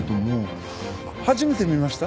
初めて見ました？